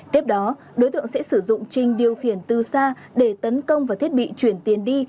tiếp đó đối tượng sẽ sử dụng trinh điều khiển từ xa để tấn công vào thiết bị chuyển tiền đi